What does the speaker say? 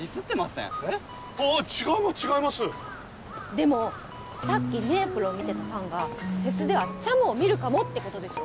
でもさっきめいぷるを見てたファンがフェスではちゃむを見るかもってことでしょ？